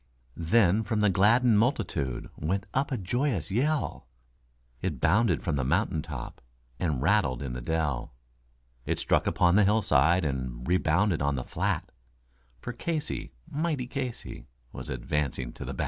Then from the gladdened multitude went up a joyous yell, It bounded from the mountain top, and rattled in the dell, It struck upon the hillside, and rebounded on the flat; For Casey, mighty Casey, was advancing to the bat.